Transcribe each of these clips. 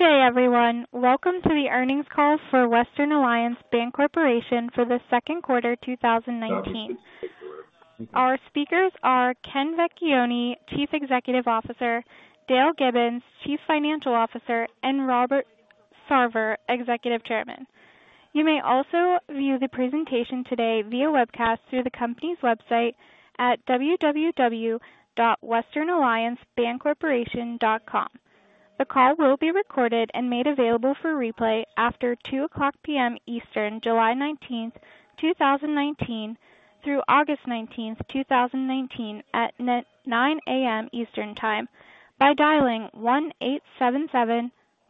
Good day, everyone. Welcome to the earnings call for Western Alliance Bancorporation for the second quarter 2019. Our speakers are Ken Vecchione, Chief Executive Officer, Dale Gibbons, Chief Financial Officer, and Robert Sarver, Executive Chairman. You may also view the presentation today via webcast through the company's website at www.westernalliancebancorporation.com. The call will be recorded and made available for replay after 2:00 P.M. Eastern, July 19th, 2019, through August 19th, 2019 at 9:00 A.M. Eastern Time, by dialing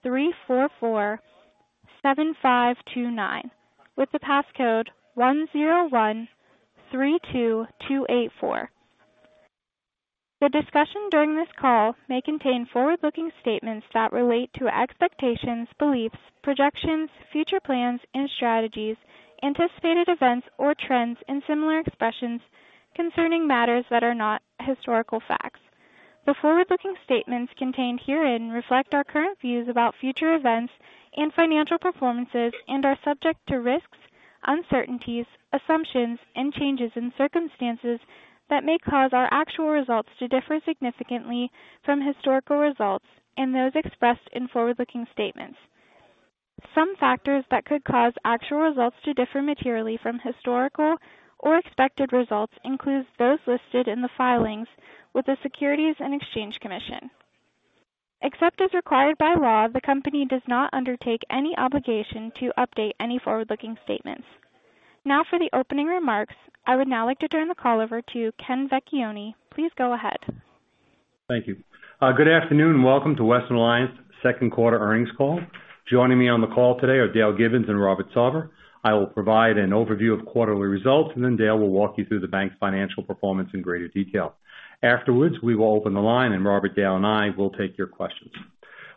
1-877-344-7529, with the passcode 10132284. The discussion during this call may contain forward-looking statements that relate to expectations, beliefs, projections, future plans and strategies, anticipated events or trends, and similar expressions concerning matters that are not historical facts. The forward-looking statements contained herein reflect our current views about future events and financial performances and are subject to risks, uncertainties, assumptions, and changes in circumstances that may cause our actual results to differ significantly from historical results and those expressed in forward-looking statements. Some factors that could cause actual results to differ materially from historical or expected results includes those listed in the filings with the Securities and Exchange Commission. Except as required by law, the company does not undertake any obligation to update any forward-looking statements. Now for the opening remarks. I would now like to turn the call over to Ken Vecchione. Please go ahead. Thank you. Good afternoon and welcome to Western Alliance second quarter earnings call. Joining me on the call today are Dale Gibbons and Robert Sarver. I will provide an overview of quarterly results, and then Dale will walk you through the bank's financial performance in greater detail. Afterwards, we will open the line and Robert, Dale, and I will take your questions.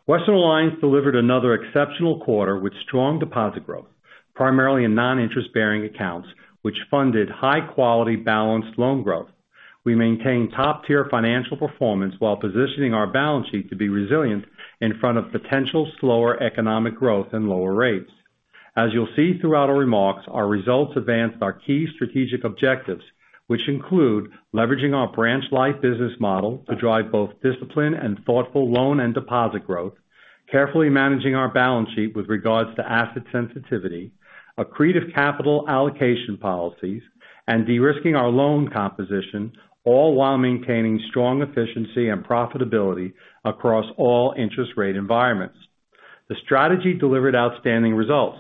Western Alliance delivered another exceptional quarter with strong deposit growth, primarily in non-interest bearing accounts, which funded high-quality balanced loan growth. We maintain top-tier financial performance while positioning our balance sheet to be resilient in front of potential slower economic growth and lower rates. As you'll see throughout our remarks, our results advanced our key strategic objectives, which include leveraging our branch-light business model to drive both discipline and thoughtful loan and deposit growth, carefully managing our balance sheet with regards to asset sensitivity, accretive capital allocation policies, and de-risking our loan composition, all while maintaining strong efficiency and profitability across all interest rate environments. The strategy delivered outstanding results.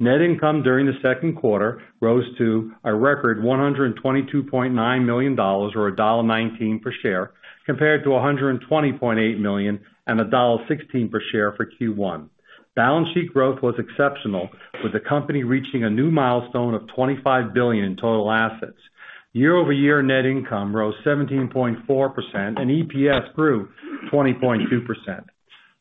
Net income during the second quarter rose to a record $122.9 million, or $1.19 per share, compared to $120.8 million and $1.16 per share for Q1. Balance sheet growth was exceptional, with the company reaching a new milestone of $25 billion in total assets. Year-over-year net income rose 17.4%, and EPS grew 20.2%.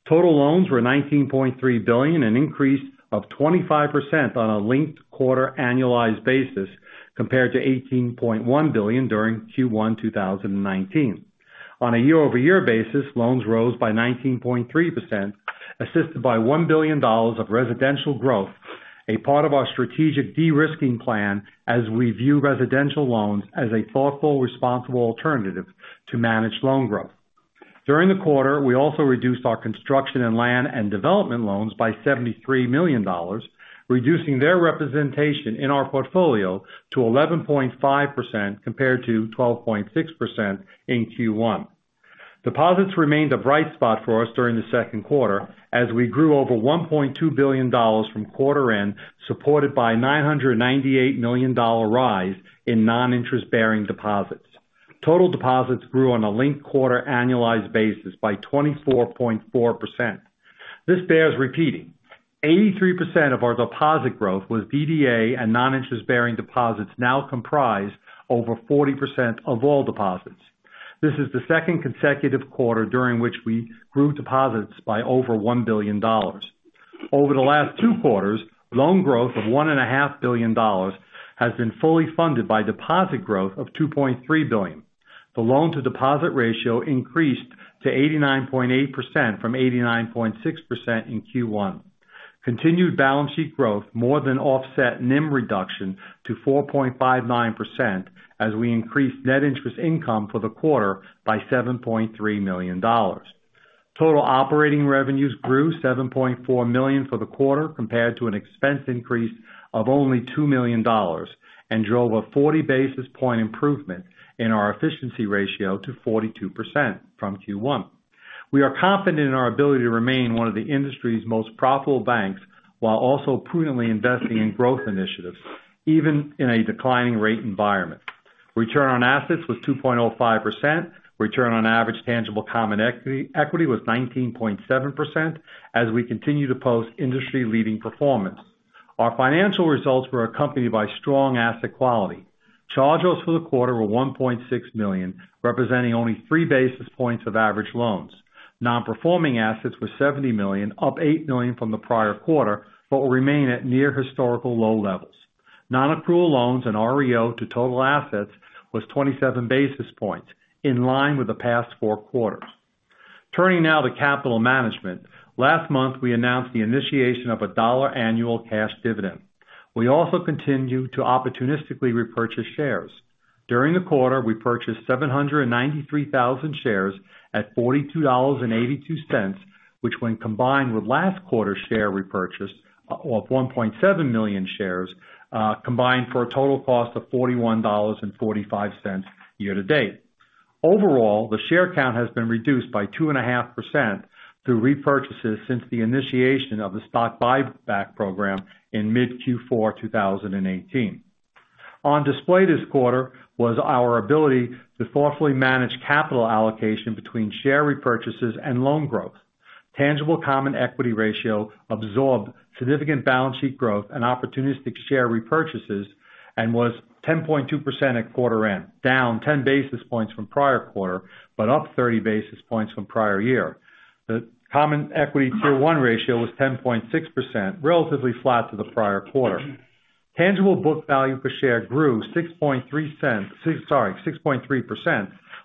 Total loans were $19.3 billion, an increase of 25% on a linked quarter annualized basis compared to $18.1 billion during Q1 2019. On a year-over-year basis, loans rose by 19.3%, assisted by $1 billion of residential growth, a part of our strategic de-risking plan as we view residential loans as a thoughtful, responsible alternative to manage loan growth. During the quarter, we also reduced our construction and land and development loans by $73 million, reducing their representation in our portfolio to 11.5% compared to 12.6% in Q1. Deposits remained a bright spot for us during the second quarter as we grew over $1.2 billion from quarter end, supported by a $998 million rise in non-interest-bearing deposits. Total deposits grew on a linked-quarter annualized basis by 24.4%. This bears repeating. 83% of our deposit growth was DDA and non-interest-bearing deposits now comprise over 40% of all deposits. This is the second consecutive quarter during which we grew deposits by over $1 billion. Over the last two quarters, loan growth of $1.5 billion has been fully funded by deposit growth of $2.3 billion. The loan to deposit ratio increased to 89.8% from 89.6% in Q1. Continued balance sheet growth more than offset NIM reduction to 4.59% as we increased net interest income for the quarter by $7.3 million. Total operating revenues grew $7.4 million for the quarter compared to an expense increase of only $2 million and drove a 40 basis point improvement in our efficiency ratio to 42% from Q1. We are confident in our ability to remain one of the industry's most profitable banks while also prudently investing in growth initiatives, even in a declining rate environment. Return on assets was 2.05%. Return on average tangible common equity was 19.7% as we continue to post industry-leading performance. Our financial results were accompanied by strong asset quality. Charge-offs for the quarter were $1.6 million, representing only three basis points of average loans. Non-performing assets were $70 million, up $8 million from the prior quarter, but will remain at near historical low levels. Non-accrual loans and REO to total assets was 27 basis points, in line with the past four quarters. Turning now to capital management. Last month, we announced the initiation of a $1 annual cash dividend. We also continue to opportunistically repurchase shares. During the quarter, we purchased 793,000 shares at $42.82, which when combined with last quarter share repurchase of 1.7 million shares, combined for a total cost of $41.45 year to date. Overall, the share count has been reduced by 2.5% through repurchases since the initiation of the stock buyback program in mid Q4 2018. On display this quarter was our ability to thoughtfully manage capital allocation between share repurchases and loan growth. Tangible common equity ratio absorbed significant balance sheet growth and opportunistic share repurchases, and was 10.2% at quarter end, down 10 basis points from prior quarter, but up 30 basis points from prior year. The common equity Tier 1 ratio was 10.6%, relatively flat to the prior quarter. Tangible book value per share grew 6.3%,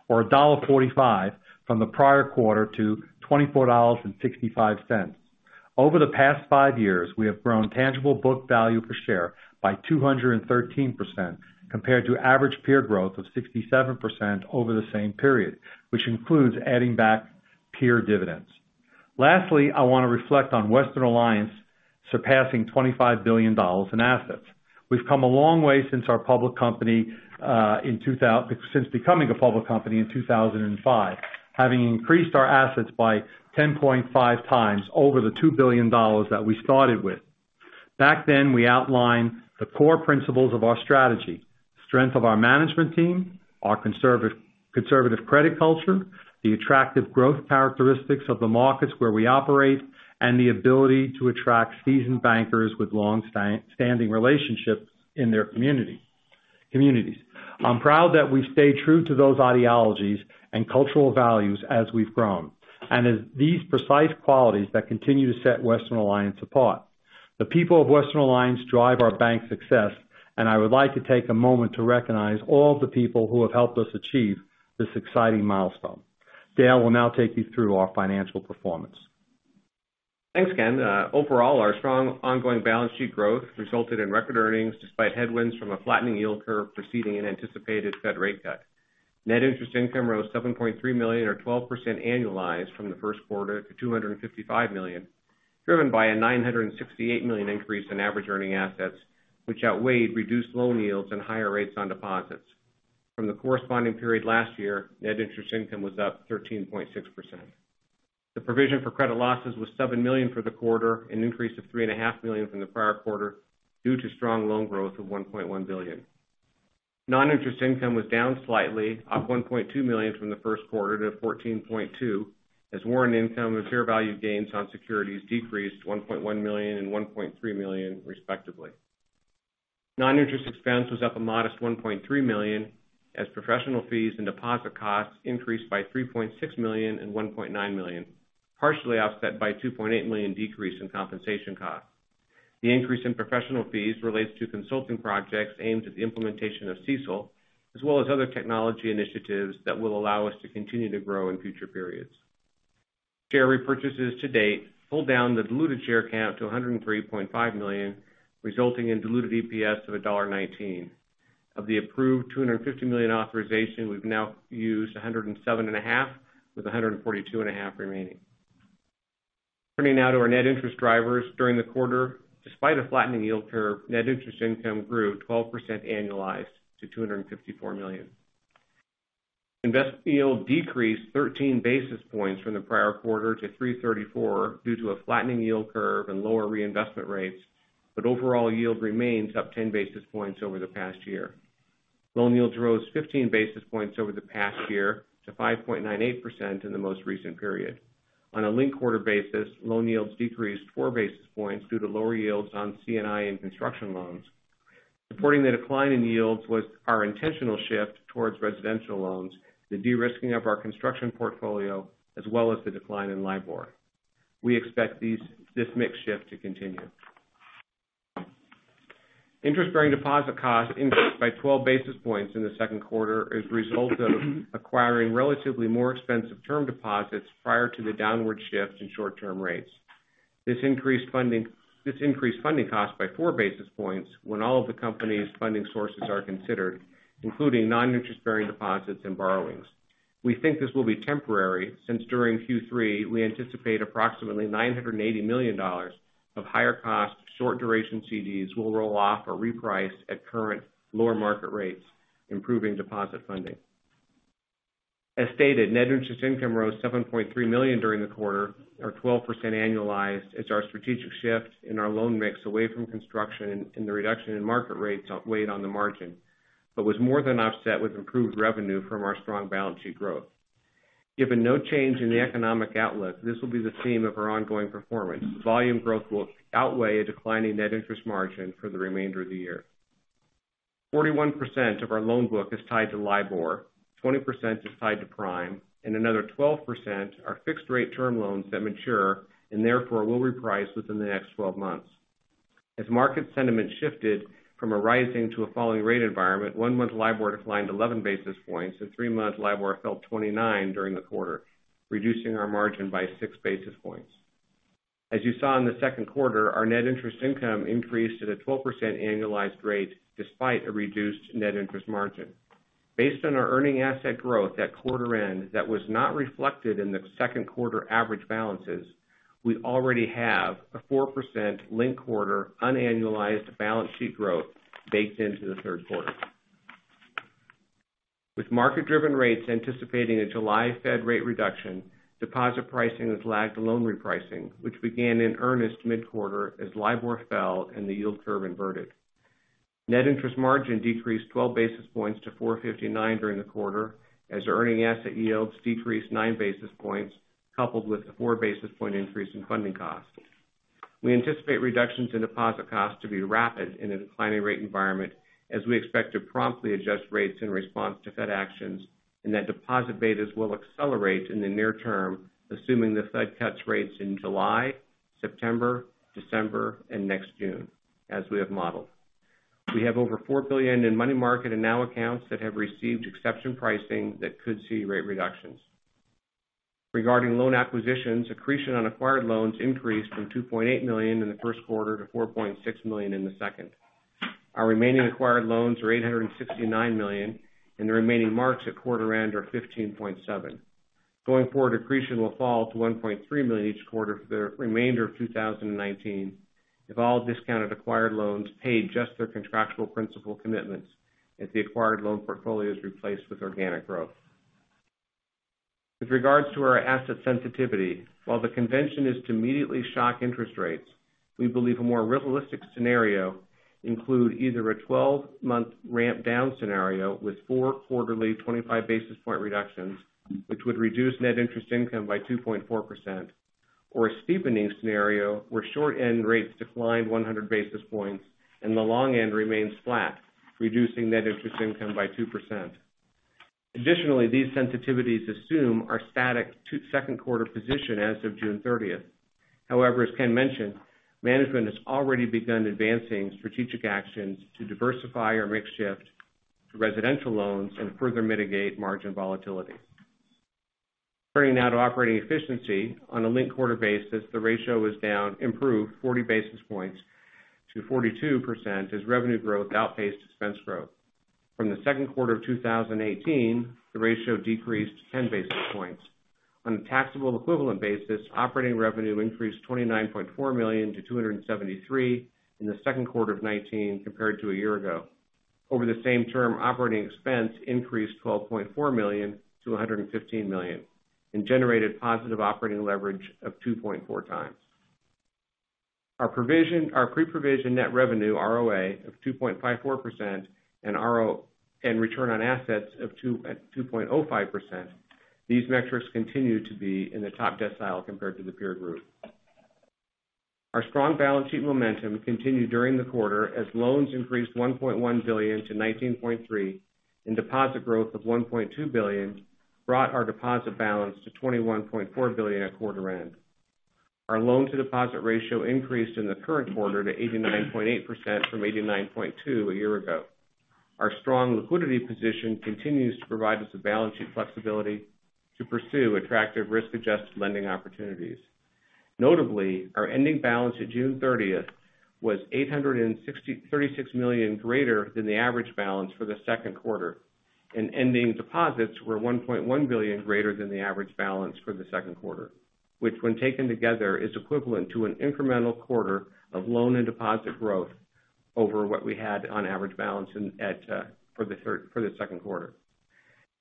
or $1.45 from the prior quarter to $24.65. Over the past five years, we have grown tangible book value per share by 213%, compared to average peer growth of 67% over the same period, which includes adding back peer dividends. Lastly, I want to reflect on Western Alliance surpassing $25 billion in assets. We've come a long way since becoming a public company in 2005, having increased our assets by 10.5x over the $2 billion that we started with. Back then, we outlined the core principles of our strategy, strength of our management team, our conservative credit culture, the attractive growth characteristics of the markets where we operate, and the ability to attract seasoned bankers with long-standing relationships in their communities. I'm proud that we've stayed true to those ideologies and cultural values as we've grown, and as these precise qualities that continue to set Western Alliance apart. The people of Western Alliance drive our bank's success, and I would like to take a moment to recognize all the people who have helped us achieve this exciting milestone. Dale will now take you through our financial performance. Thanks, Ken. Overall, our strong ongoing balance sheet growth resulted in record earnings despite headwinds from a flattening yield curve preceding an anticipated Fed rate cut. Net interest income rose $7.3 million or 12% annualized from the first quarter to $255 million, driven by a $968 million increase in average earning assets, which outweighed reduced loan yields and higher rates on deposits. From the corresponding period last year, Net interest income was up 13.6%. The provision for credit losses was $7 million for the quarter, an increase of $3.5 million from the prior quarter, due to strong loan growth of $1.1 billion. Non-interest income was down slightly, up $1.2 million from the first quarter to $14.2 million, as warrant income and fair value gains on securities decreased $1.1 million and $1.3 million, respectively. Non-interest expense was up a modest $1.3 million, as professional fees and deposit costs increased by $3.6 million and $1.9 million, partially offset by $2.8 million decrease in compensation costs. The increase in professional fees relates to consulting projects aimed at the implementation of CECL, as well as other technology initiatives that will allow us to continue to grow in future periods. Share repurchases to date pulled down the diluted share count to 103.5 million, resulting in diluted EPS of $1.19. Of the approved $250 million authorization, we've now used $107.5 million, with $142.5 million remaining. Turning now to our net interest drivers during the quarter. Despite a flattening yield curve, net interest income grew 12% annualized to $254 million. Investment yield decreased 13 basis points from the prior quarter to 334 due to a flattening yield curve and lower reinvestment rates. Overall yield remains up 10 basis points over the past year. Loan yields rose 15 basis points over the past year to 5.98% in the most recent period. On a linked quarter basis, loan yields decreased four basis points due to lower yields on C&I and construction loans. Supporting the decline in yields was our intentional shift towards residential loans, the de-risking of our construction portfolio, as well as the decline in LIBOR. We expect this mix shift to continue. Interest-bearing deposit costs increased by 12 basis points in the second quarter as a result of acquiring relatively more expensive term deposits prior to the downward shift in short-term rates. This increased funding costs by four basis points when all of the company's funding sources are considered, including non-interest-bearing deposits and borrowings. We think this will be temporary, since during Q3, we anticipate approximately $980 million of higher cost short duration CDs will roll off or reprice at current lower market rates, improving deposit funding. As stated, net interest income rose $7.3 million during the quarter or 12% annualized as our strategic shift in our loan mix away from construction and the reduction in market rates weighed on the margin, but was more than offset with improved revenue from our strong balance sheet growth. Given no change in the economic outlook, this will be the theme of our ongoing performance. Volume growth will outweigh a decline in net interest margin for the remainder of the year. 41% of our loan book is tied to LIBOR, 20% is tied to prime, and another 12% are fixed rate term loans that mature and therefore will reprice within the next 12 months. As market sentiment shifted from a rising to a falling rate environment, one-month LIBOR declined 11 basis points and three-month LIBOR fell 29 during the quarter, reducing our margin by six basis points. As you saw in the second quarter, our net interest income increased at a 12% annualized rate despite a reduced net interest margin. Based on our earning asset growth at quarter end that was not reflected in the second quarter average balances, we already have a 4% linked quarter unannualized balance sheet growth baked into the third quarter. With market-driven rates anticipating a July Fed rate reduction, deposit pricing has lagged loan repricing, which began in earnest mid-quarter as LIBOR fell and the yield curve inverted. Net interest margin decreased 12 basis points to 459 during the quarter as earning asset yields decreased nine basis points, coupled with a four basis point increase in funding costs. We anticipate reductions in deposit costs to be rapid in a declining rate environment, as we expect to promptly adjust rates in response to Fed actions and that deposit betas will accelerate in the near term, assuming the Fed cuts rates in July, September, December, and next June, as we have modeled. We have over $4 billion in money market and now accounts that have received exception pricing that could see rate reductions. Regarding loan acquisitions, accretion on acquired loans increased from $2.8 million in the first quarter to $4.6 million in the second. Our remaining acquired loans are $869 million, and the remaining marks at quarter end are $15.7 million. Going forward, accretion will fall to $1.3 million each quarter for the remainder of 2019 if all discounted acquired loans paid just their contractual principal commitments as the acquired loan portfolio is replaced with organic growth. With regards to our asset sensitivity, while the convention is to immediately shock interest rates, we believe a more realistic scenario include either a 12-month ramp-down scenario with four quarterly 25 basis point reductions, which would reduce net interest income by 2.4%, or a steepening scenario where short-end rates decline 100 basis points and the long end remains flat, reducing net interest income by 2%. Additionally, these sensitivities assume our static second quarter position as of June 30th. However, as Ken mentioned, management has already begun advancing strategic actions to diversify our mix shift to residential loans and further mitigate margin volatility. Turning now to operating efficiency. On a linked quarter basis, the ratio improved 40 basis points to 42% as revenue growth outpaced expense growth. From the second quarter of 2018, the ratio decreased 10 basis points. On a taxable equivalent basis, operating revenue increased $29.4 million to $273 in the second quarter of 2019 compared to a year ago. Over the same term, operating expense increased $12.4 million to $115 million and generated positive operating leverage of 2.4x. Our pre-provision net revenue ROA of 2.54% and return on assets of 2.05%, these metrics continue to be in the top decile compared to the peer group. Our strong balance sheet momentum continued during the quarter as loans increased $1.1 billion to $19.3 billion and deposit growth of $1.2 billion brought our deposit balance to $21.4 billion at quarter end. Our loan-to-deposit ratio increased in the current quarter to 89.8% from 89.2% a year ago. Our strong liquidity position continues to provide us a balance sheet flexibility to pursue attractive risk-adjusted lending opportunities. Notably, our ending balance at June 30th was $836 million greater than the average balance for the second quarter, and ending deposits were $1.1 billion greater than the average balance for the second quarter, which when taken together, is equivalent to an incremental quarter of loan and deposit growth over what we had on average balance for the second quarter.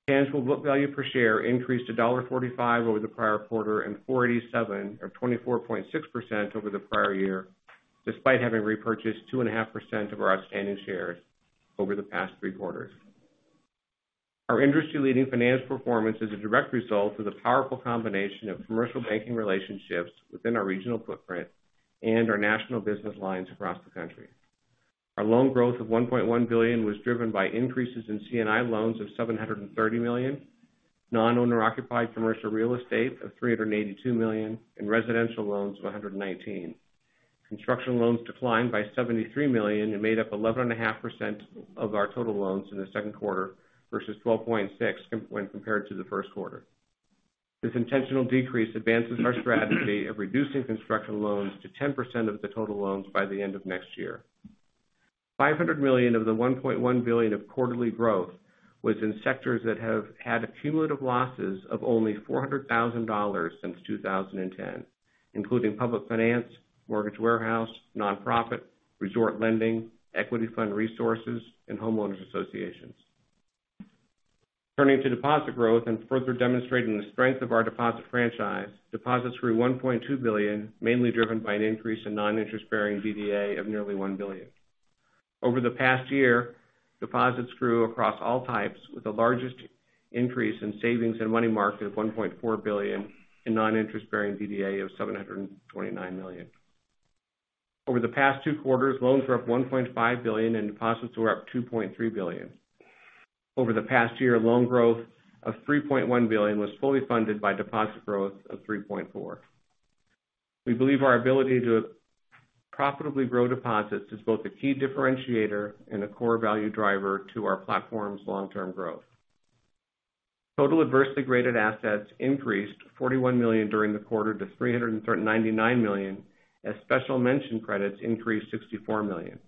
Tangible book value per share increased to $1.45 over the prior quarter and $4.87 or 24.6% over the prior year, despite having repurchased 2.5% of our outstanding shares over the past three quarters. Our industry-leading financial performance is a direct result of the powerful combination of commercial banking relationships within our regional footprint and our national business lines across the country. Our loan growth of $1.1 billion was driven by increases in C&I loans of $730 million, non-owner-occupied commercial real estate of $382 million, and residential loans of $119 million. Construction loans declined by $73 million and made up 11.5% of our total loans in the second quarter versus 12.6% when compared to the first quarter. This intentional decrease advances our strategy of reducing construction loans to 10% of the total loans by the end of next year. $500 million of the $1.1 billion of quarterly growth was in sectors that have had cumulative losses of only $400,000 since 2010, including public finance, mortgage warehouse, non-profit, resort lending, Equity Fund Resources, and homeowners associations. Turning to deposit growth and further demonstrating the strength of our deposit franchise, deposits grew $1.2 billion, mainly driven by an increase in non-interest-bearing DDA of nearly $1 billion. Over the past year, deposits grew across all types, with the largest increase in savings and money market of $1.4 billion and non-interest-bearing DDA of $729 million. Over the past two quarters, loans were up $1.5 billion and deposits were up $2.3 billion. Over the past year, loan growth of $3.1 billion was fully funded by deposit growth of $3.4 billion. We believe our ability to profitably grow deposits is both a key differentiator and a core value driver to our platform's long-term growth. Total adversely graded assets increased $41 million during the quarter to $399 million, as special mention credits increased $64 million.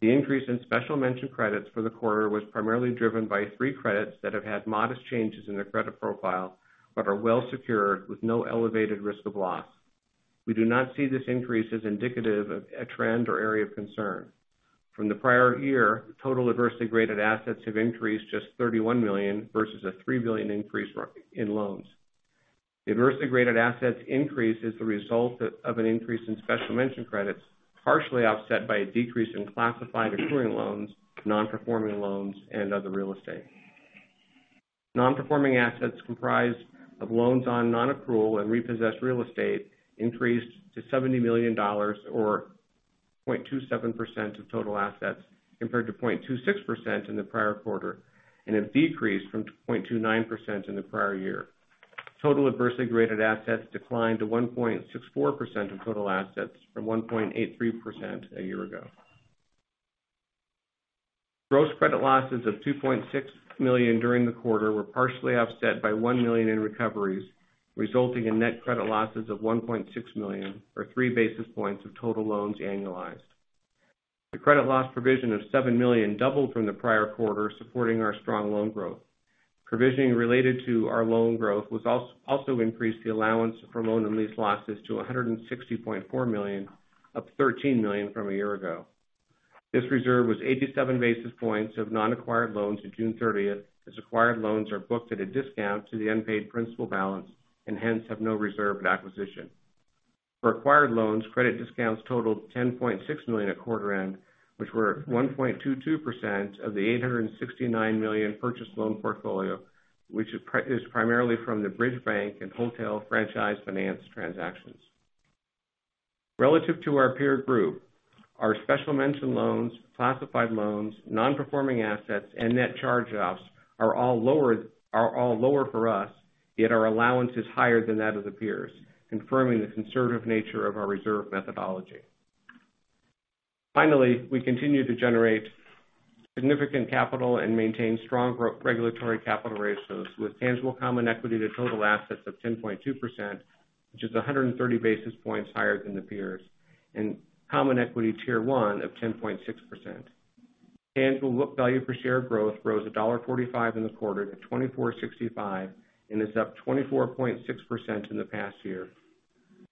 The increase in special mention credits for the quarter was primarily driven by three credits that have had modest changes in their credit profile, but are well secured with no elevated risk of loss. We do not see this increase as indicative of a trend or area of concern. From the prior year, total adversity-graded assets have increased just $31 million versus a $3 billion increase in loans. The adversity-graded assets increase is the result of an increase in special mention credits, partially offset by a decrease in classified accruing loans, non-performing loans, and other real estate. Non-performing assets comprised of loans on non-accrual and repossessed real estate increased to $70 million, or 0.27% of total assets, compared to 0.26% in the prior quarter, and have decreased from 0.29% in the prior year. Total adversely graded assets declined to 1.64% of total assets from 1.83% a year ago. Gross credit losses of $2.6 million during the quarter were partially offset by $1 million in recoveries, resulting in net credit losses of $1.6 million, or three basis points of total loans annualized. The credit loss provision of $7 million doubled from the prior quarter, supporting our strong loan growth. Provisioning related to our loan growth has also increased the allowance for loan and lease losses to $160.4 million, up $13 million from a year ago. This reserve was 87 basis points of non-acquired loans through June 30th, as acquired loans are booked at a discount to the unpaid principal balance, and hence have no reserve at acquisition. For acquired loans, credit discounts totaled $10.6 million at quarter end, which were 1.22% of the $869 million purchase loan portfolio, which is primarily from the Bridge Bank and Hotel Franchise Finance transactions. Relative to our peer group, our special mention loans, classified loans, non-performing assets, and net charge-offs are all lower for us, yet our allowance is higher than that of the peers, confirming the conservative nature of our reserve methodology. Finally, we continue to generate significant capital and maintain strong regulatory capital ratios with tangible common equity to total assets of 10.2%, which is 130 basis points higher than the peers, and common equity Tier 1 of 10.6%. Tangible book value per share growth rose $1.45 in the quarter to $24.65, and is up 24.6% in the past year.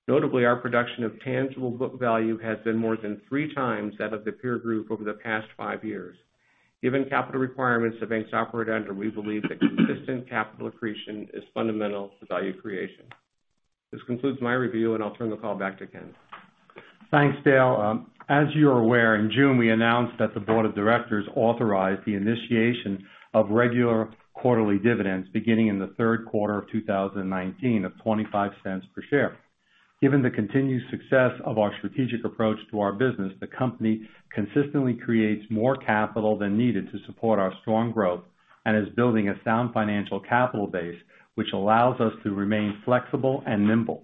Notably, our production of tangible book value has been more than 3x that of the peer group over the past five years. Given capital requirements that banks operate under, we believe that consistent capital accretion is fundamental to value creation. This concludes my review, and I'll turn the call back to Ken. Thanks, Dale. As you're aware, in June, we announced that the board of directors authorized the initiation of regular quarterly dividends beginning in the third quarter of 2019 of $0.25 per share. Given the continued success of our strategic approach to our business, the company consistently creates more capital than needed to support our strong growth and is building a sound financial capital base, which allows us to remain flexible and nimble.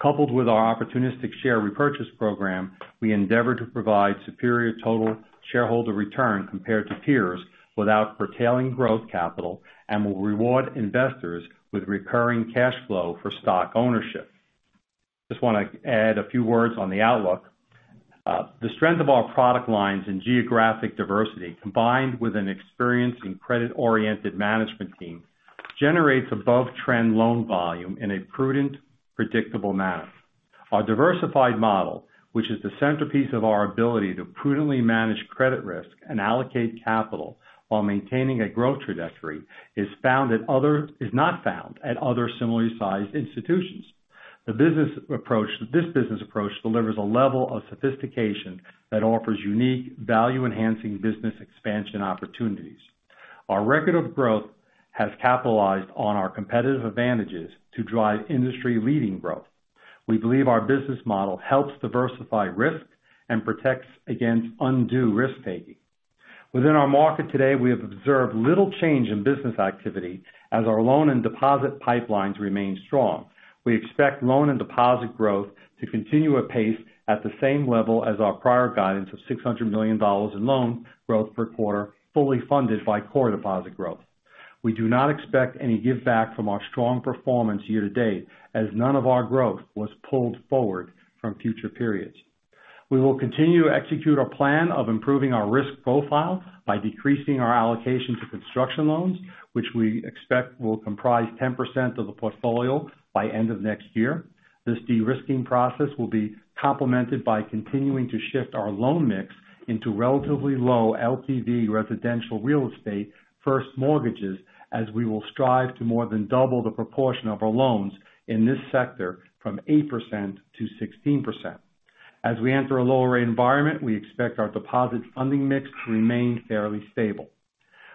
Coupled with our opportunistic share repurchase program, we endeavor to provide superior total shareholder return compared to peers without curtailing growth capital and will reward investors with recurring cash flow for stock ownership. Just want to add a few words on the outlook. The strength of our product lines and geographic diversity, combined with an experienced and credit-oriented management team, generates above-trend loan volume in a prudent, predictable manner. Our diversified model, which is the centerpiece of our ability to prudently manage credit risk and allocate capital while maintaining a growth trajectory, is not found at other similarly sized institutions. This business approach delivers a level of sophistication that offers unique value-enhancing business expansion opportunities. Our record of growth has capitalized on our competitive advantages to drive industry-leading growth. We believe our business model helps diversify risk and protects against undue risk-taking. Within our market today, we have observed little change in business activity as our loan and deposit pipelines remain strong. We expect loan and deposit growth to continue at pace at the same level as our prior guidance of $600 million in loan growth per quarter, fully funded by core deposit growth. We do not expect any giveback from our strong performance year-to-date, as none of our growth was pulled forward from future periods. We will continue to execute our plan of improving our risk profile by decreasing our allocation to construction loans, which we expect will comprise 10% of the portfolio by end of next year. This de-risking process will be complemented by continuing to shift our loan mix into relatively low LTV residential real estate first mortgages, as we will strive to more than double the proportion of our loans in this sector from 8%-16%. As we enter a lower rate environment, we expect our deposit funding mix to remain fairly stable.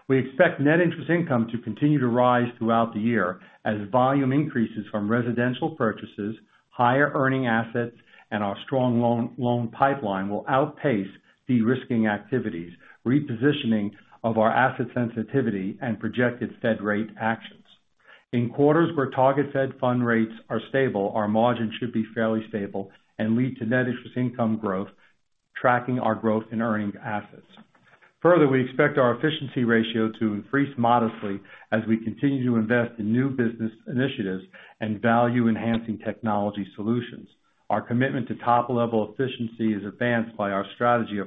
We expect net interest income to continue to rise throughout the year as volume increases from residential purchases, higher earning assets, and our strong loan pipeline will outpace de-risking activities, repositioning of our asset sensitivity, and projected Fed rate actions. In quarters where target Fed funds rates are stable, our margin should be fairly stable and lead to net interest income growth, tracking our growth in earning assets. We expect our efficiency ratio to increase modestly as we continue to invest in new business initiatives and value-enhancing technology solutions. Our commitment to top-level efficiency is advanced by our strategy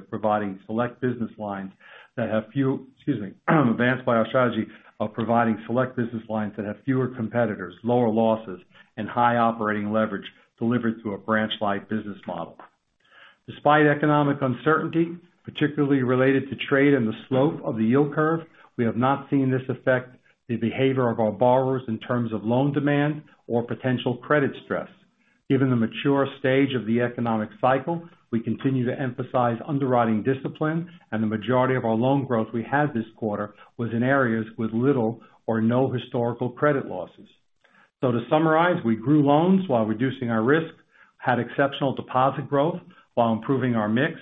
of providing select business lines that have fewer competitors, lower losses, and high operating leverage delivered through a branch-light business model. Despite economic uncertainty, particularly related to trade and the slope of the yield curve, we have not seen this affect the behavior of our borrowers in terms of loan demand or potential credit stress. Given the mature stage of the economic cycle, we continue to emphasize underwriting discipline, and the majority of our loan growth we had this quarter was in areas with little or no historical credit losses. To summarize, we grew loans while reducing our risk, had exceptional deposit growth while improving our mix,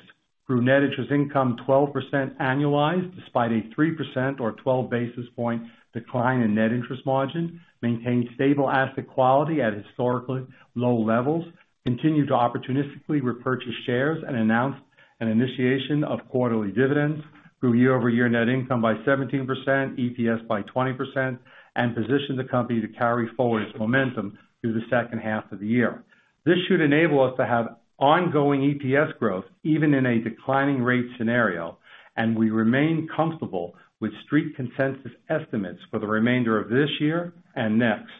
grew net interest income 12% annualized despite a 3% or 12 basis point decline in net interest margin, maintained stable asset quality at historically low levels, continued to opportunistically repurchase shares and announced an initiation of quarterly dividends, grew year-over-year net income by 17%, EPS by 20%, and positioned the company to carry forward its momentum through the second half of the year. This should enable us to have ongoing EPS growth even in a declining rate scenario, and we remain comfortable with Street Consensus estimates for the remainder of this year and next.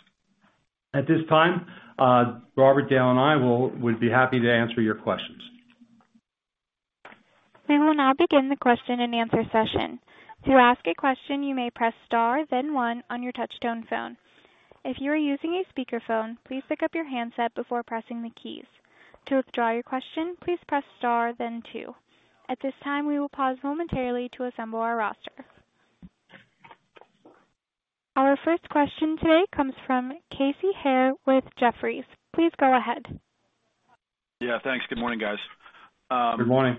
At this time, Robert, Dale, and I would be happy to answer your questions. We will now begin the question and answer session. To ask a question, you may press star then one on your touchtone phone. If you are using a speakerphone, please pick up your handset before pressing the keys. To withdraw your question, please press star then two. At this time, we will pause momentarily to assemble our roster. Our first question today comes from Casey Haire with Jefferies. Please go ahead. Yeah, thanks. Good morning, guys. Good morning.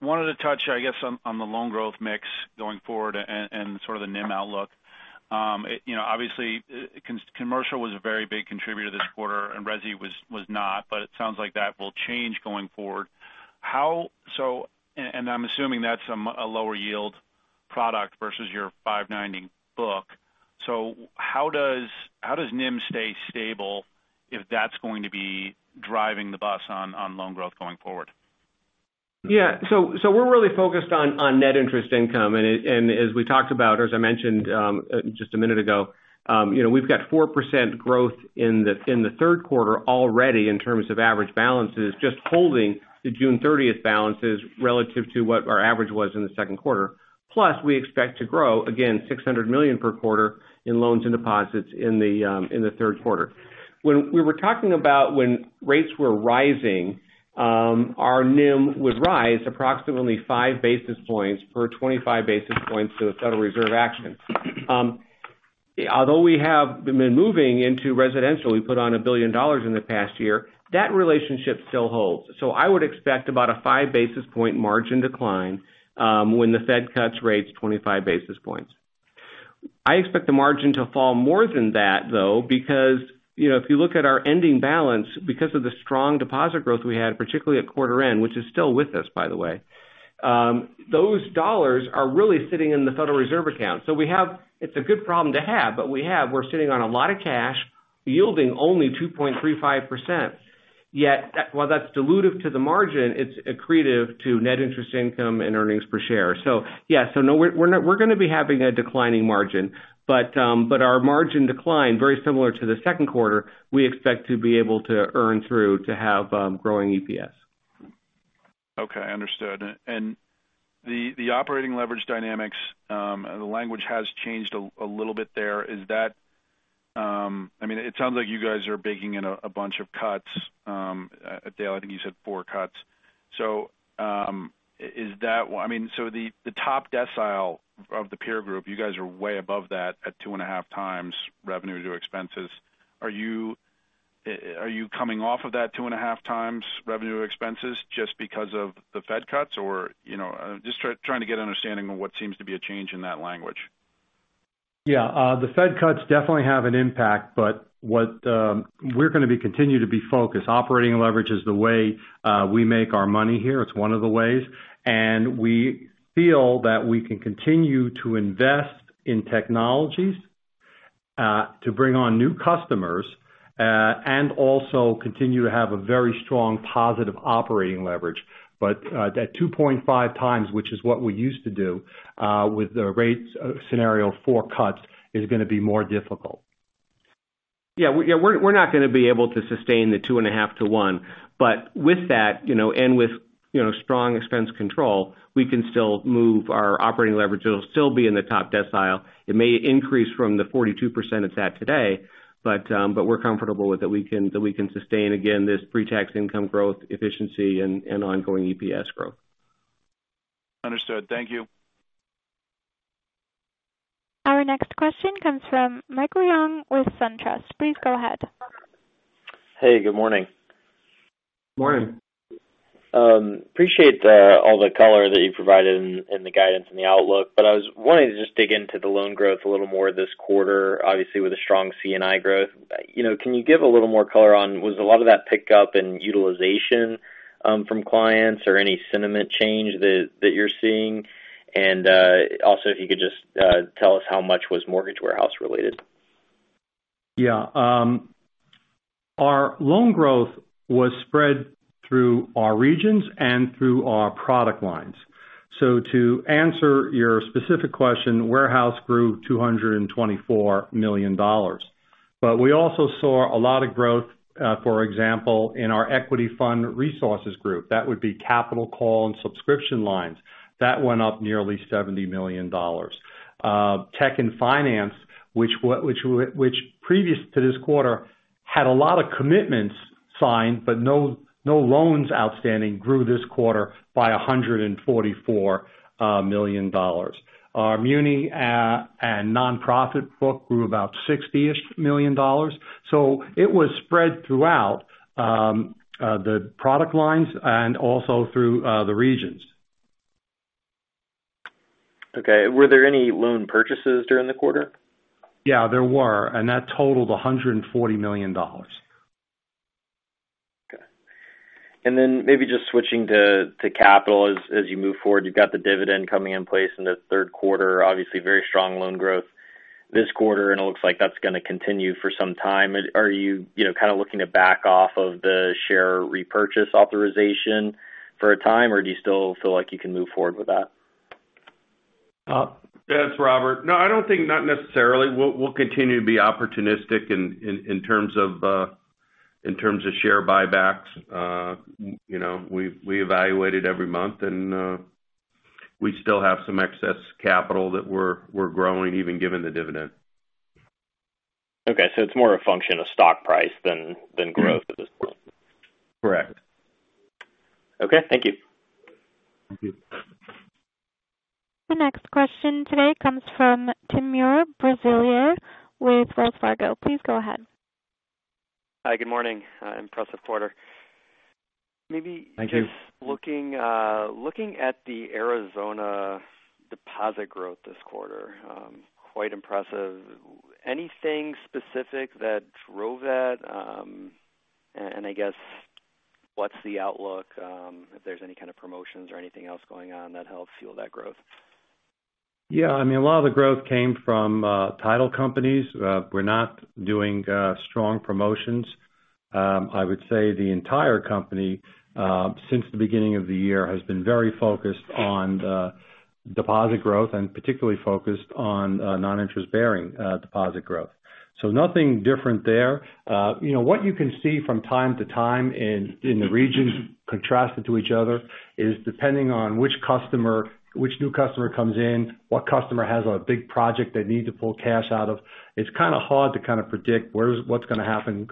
Wanted to touch, I guess, on the loan growth mix going forward and sort of the NIM outlook. Obviously, commercial was a very big contributor this quarter and resi was not, but it sounds like that will change going forward. I'm assuming that's a lower yield product versus your 5.9 book. How does NIM stay stable if that's going to be driving the bus on loan growth going forward? Yeah. We are really focused on net interest income, and as we talked about, or as I mentioned just a minute ago, we have got 4% growth in the third quarter already in terms of average balances, just holding the June 30th balances relative to what our average was in the second quarter. We expect to grow again $600 million per quarter in loans and deposits in the third quarter. When we were talking about when rates were rising, our NIM would rise approximately five basis points per 25 basis points to the Federal Reserve action. We have been moving into residential, we put on $1 billion in the past year, that relationship still holds. I would expect about a five basis point margin decline when the Fed cuts rates 25 basis points. I expect the margin to fall more than that, though, because if you look at our ending balance, because of the strong deposit growth we had, particularly at quarter end, which is still with us by the way, those dollars are really sitting in the Federal Reserve account. It's a good problem to have, but we're sitting on a lot of cash yielding only 2.35%. Yet while that's dilutive to the margin, it's accretive to net interest income and earnings per share. Yeah, we're going to be having a declining margin, but our margin decline, very similar to the second quarter, we expect to be able to earn through to have growing EPS. Okay, understood. The operating leverage dynamics, the language has changed a little bit there. It sounds like you guys are baking in a bunch of cuts. Dale, I think you said four cuts. The top decile of the peer group, you guys are way above that at 2.5x revenue to expenses. Are you coming off of that 2.5x revenue expenses just because of the Fed cuts? Just trying to get an understanding of what seems to be a change in that language. Yeah. The Fed cuts definitely have an impact. We're going to be continued to be focused. Operating leverage is the way we make our money here. It's one of the ways. We feel that we can continue to invest in technologies to bring on new customers and also continue to have a very strong positive operating leverage. That 2.5x, which is what we used to do with the rates scenario for cuts, is going to be more difficult. Yeah. We're not going to be able to sustain the 2.5x-1x. With that and with strong expense control, we can still move our operating leverage. It'll still be in the top decile. It may increase from the 42% it's at today. We're comfortable that we can sustain again this pre-tax income growth efficiency and ongoing EPS growth. Understood. Thank you. Our next question comes from Michael Young with SunTrust. Please go ahead. Hey, good morning. Morning. Appreciate all the color that you provided and the guidance and the outlook. I was wanting to just dig into the loan growth a little more this quarter, obviously with a strong C&I growth. Can you give a little more color on, was a lot of that pickup in utilization from clients or any sentiment change that you're seeing? Also if you could just tell us how much was mortgage warehouse related? Yeah. Our loan growth was spread through our regions and through our product lines. To answer your specific question, warehouse grew $224 million. We also saw a lot of growth, for example, in our Equity Fund Resources group. That would be capital call and subscription lines. That went up nearly $70 million. Tech and finance, which previous to this quarter had a lot of commitments signed, but no loans outstanding grew this quarter by $144 million. Our muni and nonprofit book grew about $60-ish million. It was spread throughout the product lines and also through the regions. Okay. Were there any loan purchases during the quarter? Yeah, there were, and that totaled $140 million. Okay. Then maybe just switching to capital as you move forward. You've got the dividend coming in place in the third quarter. Obviously very strong loan growth this quarter, and it looks like that's going to continue for some time. Are you kind of looking to back off of the share repurchase authorization for a time, or do you still feel like you can move forward with that? Yeah, it's Robert. No, I don't think, not necessarily. We'll continue to be opportunistic in terms of share buybacks. We evaluate it every month and we still have some excess capital that we're growing even given the dividend. Okay. It's more a function of stock price than growth at this point. Correct. Okay, thank you. Thank you. The next question today comes from Timur Braziler with Wells Fargo. Please go ahead. Hi, good morning. Impressive quarter. Thank you. Maybe just looking at the Arizona deposit growth this quarter. Quite impressive. Anything specific that drove that? I guess what's the outlook, if there's any kind of promotions or anything else going on that helped fuel that growth? Yeah, a lot of the growth came from title companies. We're not doing strong promotions. I would say the entire company, since the beginning of the year, has been very focused on deposit growth and particularly focused on non-interest bearing deposit growth. Nothing different there. What you can see from time to time in the regions contrasted to each other is depending on which new customer comes in, what customer has a big project they need to pull cash out of. It's kind of hard to predict what's going to happen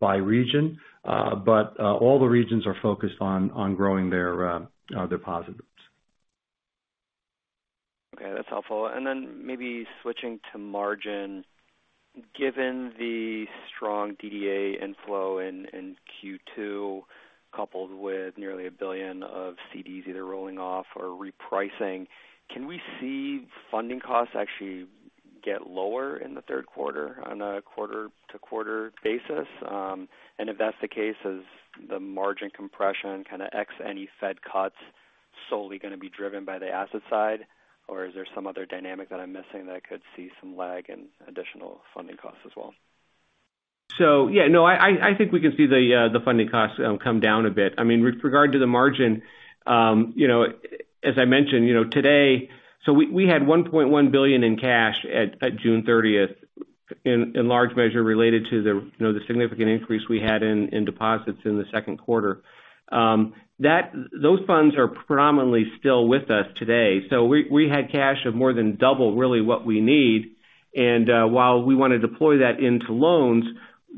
by region. All the regions are focused on growing their deposits. Okay. That's helpful. Then maybe switching to margin. Given the strong DDA inflow in Q2, coupled with nearly $1 billion of CDs either rolling off or repricing, can we see funding costs actually get lower in the third quarter on a quarter-to-quarter basis? If that's the case, is the margin compression kind of X any Fed cuts solely going to be driven by the asset side, or is there some other dynamic that I'm missing that I could see some lag in additional funding costs as well? Yeah, I think we can see the funding costs come down a bit. With regard to the margin, as I mentioned today, we had $1.1 billion in cash at June 30th, in large measure related to the significant increase we had in deposits in the second quarter. Those funds are predominantly still with us today. We had cash of more than double really what we need, and while we want to deploy that into loans,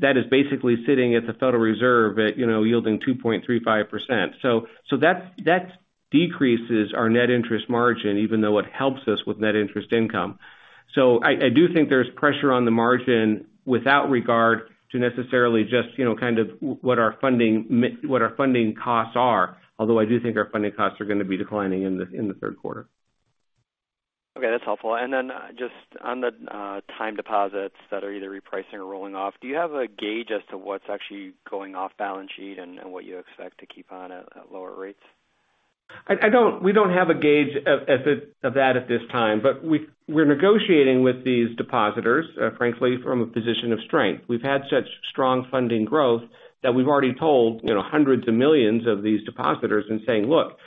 that is basically sitting at the Federal Reserve at yielding 2.35%. That decreases our net interest margin even though it helps us with net interest income. I do think there's pressure on the margin without regard to necessarily just kind of what our funding costs are, although I do think our funding costs are going to be declining in the third quarter. Okay, that's helpful. Then just on the time deposits that are either repricing or rolling off, do you have a gauge as to what's actually going off balance sheet and what you expect to keep on at lower rates? We don't have a gauge of that at this time. We're negotiating with these depositors, frankly, from a position of strength. We've had such strong funding growth that we've already told hundreds of millions of these depositors and saying, "Look,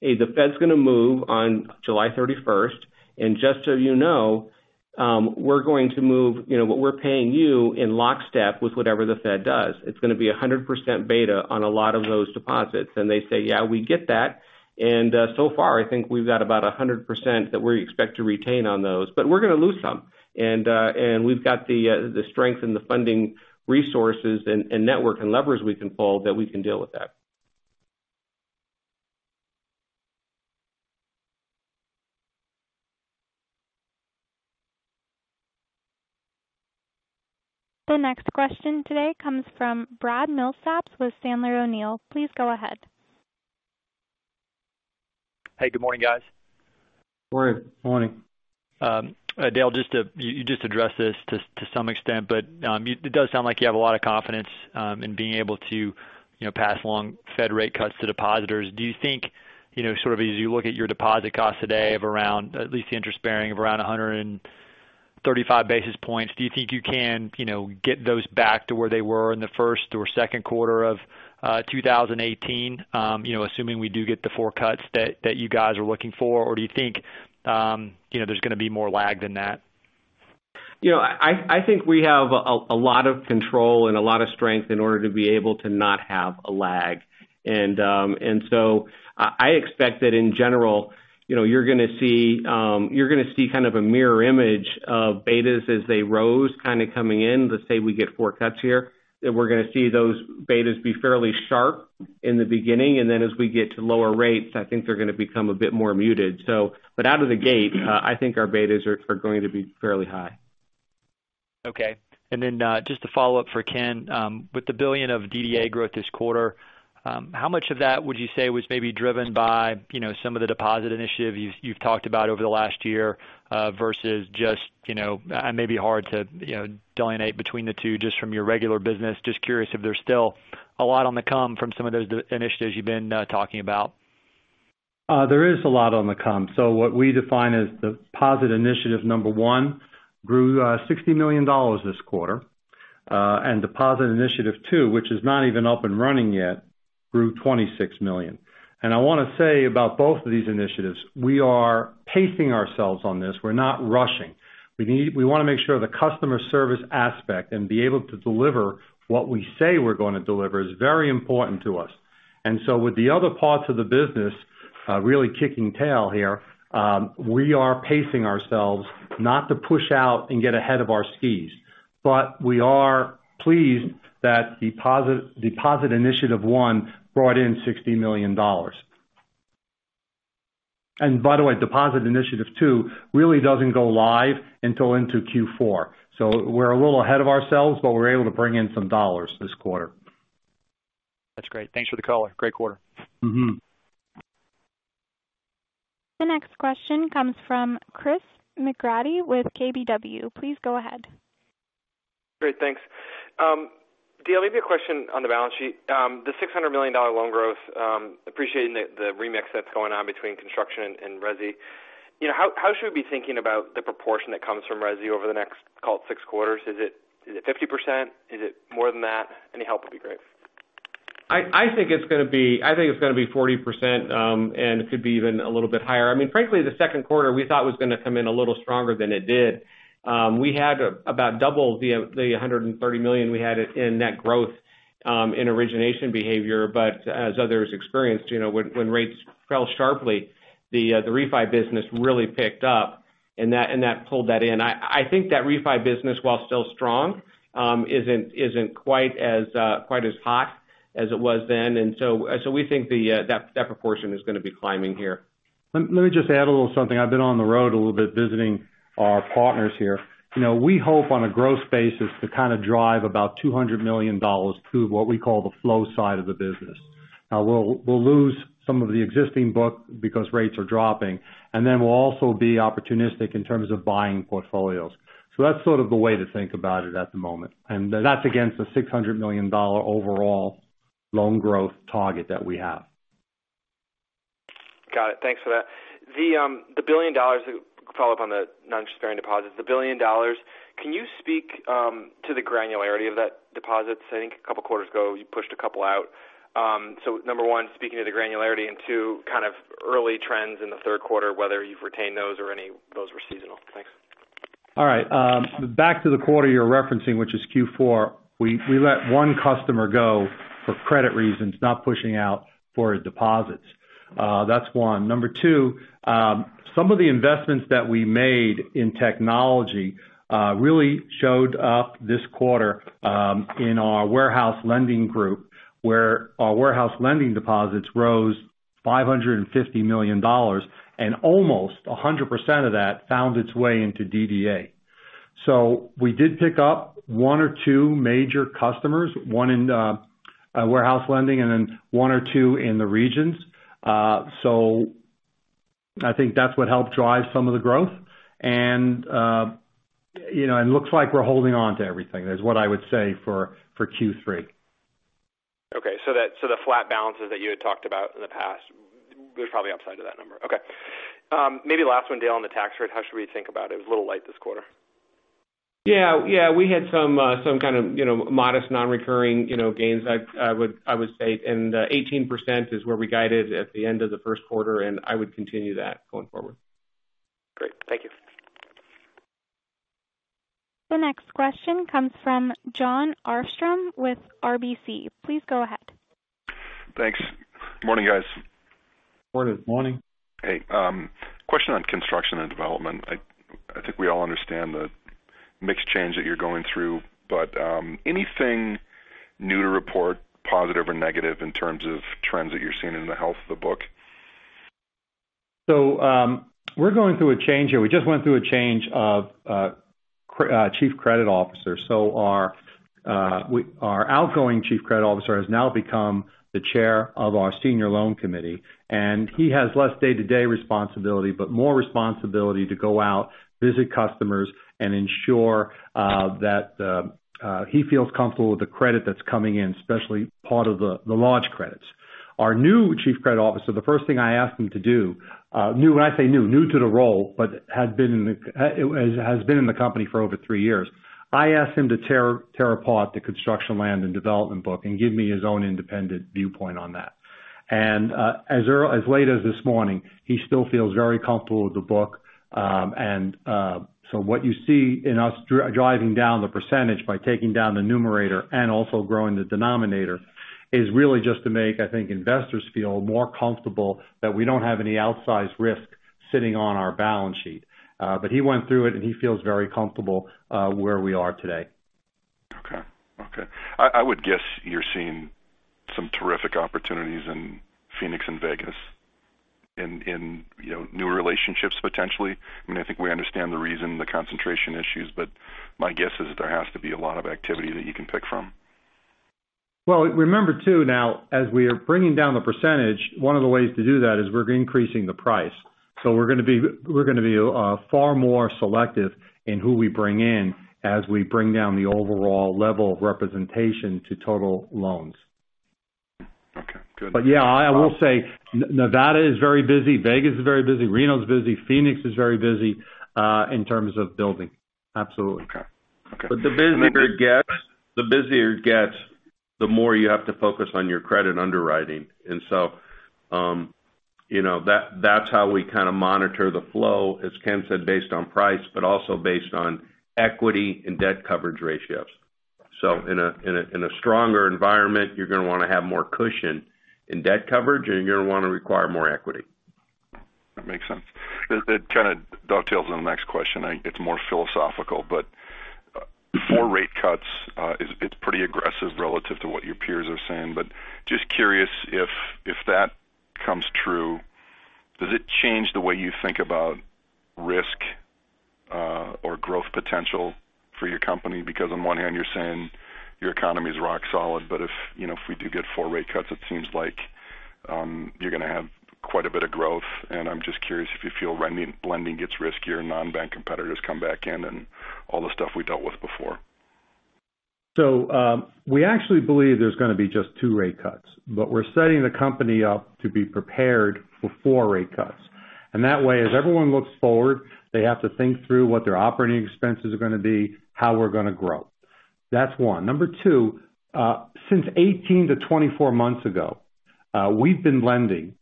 hey, the Fed's going to move on July 31st, and just so you know, we're going to move what we're paying you in lockstep with whatever the Fed does. It's going to be 100% beta on a lot of those deposits." They say, "Yeah, we get that." So far, I think we've got about 100% that we expect to retain on those, but we're going to lose some. We've got the strength and the funding resources and network and levers we can pull that we can deal with that. The next question today comes from Brad Milsaps with Sandler O'Neill. Please go ahead. Hey, good morning, guys. Morning. Morning. Dale, you just addressed this to some extent, it does sound like you have a lot of confidence in being able to pass along Fed rate cuts to depositors. Do you think, as you look at your deposit costs today of around, at least the interest bearing of around 135 basis points, do you think you can get those back to where they were in the first or second quarter of 2018, assuming we do get the four cuts that you guys are looking for? Do you think there's going to be more lag than that? I think we have a lot of control and a lot of strength in order to be able to not have a lag. I expect that in general, you're going to see a mirror image of betas as they rose coming in. Let's say we get four cuts here, then we're going to see those betas be fairly sharp in the beginning, and then as we get to lower rates, I think they're going to become a bit more muted. Out of the gate, I think our betas are going to be fairly high. Okay. Just to follow up for Ken, with the $1 billion of DDA growth this quarter, how much of that would you say was maybe driven by some of the deposit initiative you've talked about over the last year versus just, it may be hard to delineate between the two just from your regular business? Just curious if there's still a lot on the come from some of those initiatives you've been talking about? There is a lot on the come. What we define as deposit initiative number one grew $60 million this quarter. Deposit initiative number two, which is not even up and running yet, grew $26 million. I want to say about both of these initiatives, we are pacing ourselves on this. We're not rushing. We want to make sure the customer service aspect and be able to deliver what we say we're going to deliver is very important to us. With the other parts of the business really kicking tail here, we are pacing ourselves not to push out and get ahead of our skis. We are pleased that deposit initiative number one brought in $60 million. By the way, deposit initiative number two really doesn't go live until into Q4. We're a little ahead of ourselves, but we're able to bring in some dollars this quarter. That's great. Thanks for the color. Great quarter. The next question comes from Chris McGratty with KBW. Please go ahead. Great, thanks. Dale, maybe a question on the balance sheet. The $600 million loan growth, appreciating the remix that's going on between construction and resi. How should we be thinking about the proportion that comes from resi over the next, call it, six quarters? Is it 50%? Is it more than that? Any help would be great. I think it's going to be 40%, and it could be even a little bit higher. Frankly, the second quarter we thought was going to come in a little stronger than it did. We had about double the $130 million we had in net growth in origination behavior. As others experienced, when rates fell sharply, the refi business really picked up, and that pulled that in. I think that refi business, while still strong, isn't quite as hot as it was then. We think that proportion is going to be climbing here. Let me just add a little something. I've been on the road a little bit visiting our partners here. We hope on a growth basis to drive about $200 million to what we call the flow side of the business. We'll lose some of the existing book because rates are dropping, and then we'll also be opportunistic in terms of buying portfolios. That's the way to think about it at the moment. That's against the $600 million overall loan growth target that we have. Got it. Thanks for that. The $1 billion, to follow up on the non-interest-bearing deposits, the $1 billion, can you speak to the granularity of that deposit? I think a couple of quarters ago, you pushed a couple out. Number one, speaking to the granularity, and two, early trends in the third quarter, whether you've retained those or any of those were seasonal. Thanks. All right. Back to the quarter you're referencing, which is Q4. We let one customer go for credit reasons, not pushing out for his deposits. That's one. Number two, some of the investments that we made in technology really showed up this quarter in our warehouse lending group, where our warehouse lending deposits rose $550 million, and almost 100% of that found its way into DDA. We did pick up one or two major customers, one in warehouse lending and then one or two in the regions. I think that's what helped drive some of the growth. It looks like we're holding on to everything, is what I would say for Q3. Okay. The flat balances that you had talked about in the past, we're probably upside of that number. Okay. Maybe last one, Dale, on the tax rate. How should we think about it? It was a little light this quarter. Yeah. We had some kind of modest non-recurring gains, I would say. 18% is where we guided at the end of the first quarter, and I would continue that going forward. Great. Thank you. The next question comes from Jon Arfstrom with RBC. Please go ahead. Thanks. Morning, guys. Morning. Morning. Hey. Question on construction and development. I think we all understand that mix change that you're going through. Anything new to report, positive or negative, in terms of trends that you're seeing in the health of the book? We're going through a change here. We just went through a change of Chief Credit Officer. Our outgoing Chief Credit Officer has now become the Chair of our Senior Loan Committee, and he has less day-to-day responsibility, but more responsibility to go out, visit customers, and ensure that he feels comfortable with the credit that's coming in, especially part of the large credits. Our new Chief Credit Officer, the first thing I asked him to do, when I say new to the role, but has been in the company for over three years. I asked him to tear apart the construction land and development book and give me his own independent viewpoint on that. As late as this morning, he still feels very comfortable with the book. What you see in us driving down the percentage by taking down the numerator and also growing the denominator is really just to make, I think, investors feel more comfortable that we don't have any outsized risk sitting on our balance sheet. He went through it, and he feels very comfortable where we are today. Okay. I would guess you're seeing some terrific opportunities in Phoenix and Vegas in newer relationships, potentially. I think we understand the reason, the concentration issues, but my guess is that there has to be a lot of activity that you can pick from. Well, remember, too, now, as we are bringing down the percentage, one of the ways to do that is we're increasing the price. We're going to be far more selective in who we bring in as we bring down the overall level of representation to total loans. Okay, good. Yeah, I will say Nevada is very busy. Vegas is very busy. Reno's busy. Phoenix is very busy, in terms of building. Absolutely. Okay. The busier it gets, the more you have to focus on your credit underwriting. That's how we kind of monitor the flow, as Ken said, based on price, but also based on equity and debt coverage ratios. In a stronger environment, you're going to want to have more cushion in debt coverage, and you're going to want to require more equity. That makes sense. That kind of dovetails on the next question. It's more philosophical. Four rate cuts, it's pretty aggressive relative to what your peers are saying. Just curious if that comes true, does it change the way you think about risk or growth potential for your company? On one hand, you're saying your economy is rock solid, but if we do get four rate cuts, it seems like you're going to have quite a bit of growth. I'm just curious if you feel lending gets riskier and non-bank competitors come back in and all the stuff we dealt with before. We actually believe there's going to be just two rate cuts. We're setting the company up to be prepared for four rate cuts. That way, as everyone looks forward, they have to think through what their operating expenses are going to be, how we're going to grow. That's one. Number two, since 18-24 months ago, we've been lending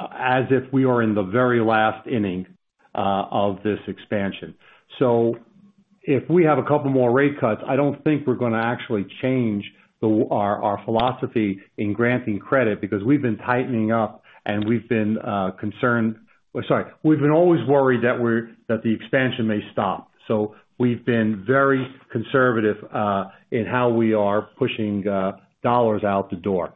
as if we are in the very last inning of this expansion. If we have a couple more rate cuts, I don't think we're going to actually change our philosophy in granting credit because we've been tightening up and we've been concerned. We've been always worried that the expansion may stop. We've been very conservative in how we are pushing dollars out the door.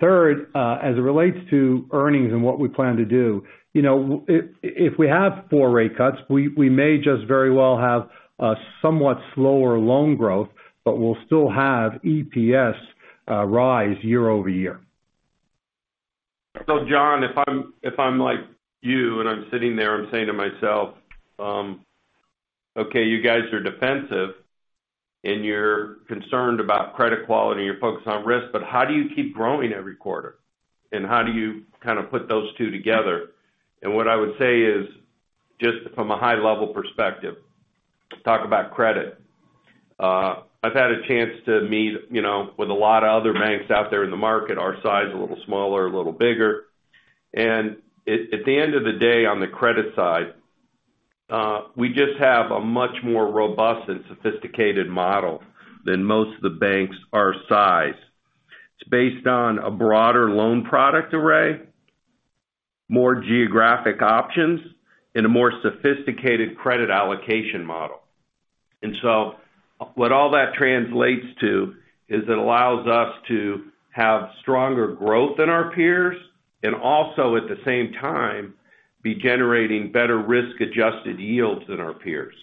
Third, as it relates to earnings and what we plan to do, if we have four rate cuts, we may just very well have a somewhat slower loan growth, but we'll still have EPS rise year-over-year. Jon, if I'm like you and I'm sitting there and saying to myself, okay, you guys are defensive and you're concerned about credit quality and you're focused on risk, but how do you keep growing every quarter? How do you kind of put those two together? What I would say is, just from a high-level perspective, talk about credit. I've had a chance to meet with a lot of other banks out there in the market, our size, a little smaller, a little bigger. At the end of the day, on the credit side, we just have a much more robust and sophisticated model than most of the banks our size. It's based on a broader loan product array, more geographic options, and a more sophisticated credit allocation model. What all that translates to is it allows us to have stronger growth than our peers and also at the same time, be generating better risk-adjusted yields than our peers.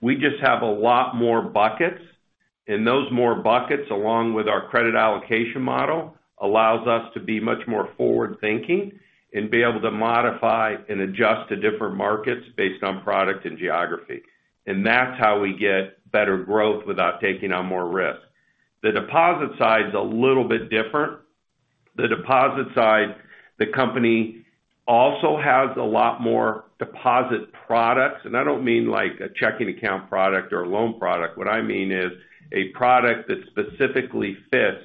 We just have a lot more buckets, and those more buckets, along with our credit allocation model, allows us to be much more forward-thinking and be able to modify and adjust to different markets based on product and geography. That's how we get better growth without taking on more risk. The deposit side's a little bit different. The deposit side, the company also has a lot more deposit products, and I don't mean like a checking account product or a loan product. What I mean is a product that specifically fits